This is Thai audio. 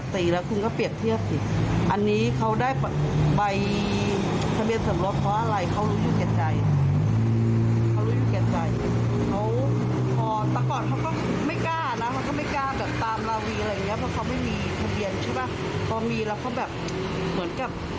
ทีละเขาเหมือนกับเขาก้าวเลย